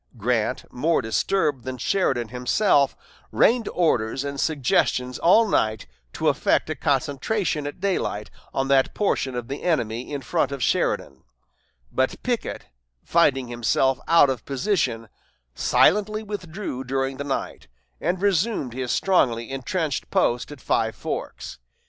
Grant, more disturbed than Sheridan himself, rained orders and suggestions all night to effect a concentration at daylight on that portion of the enemy in front of Sheridan; but Pickett, finding himself out of position, silently withdrew during the night, and resumed his strongly intrenched post at Five Forks.